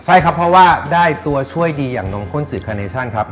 ใช่ครับเพราะว่าได้ตัวช่วยดีอย่างนมข้นจืดคาเนชั่นครับ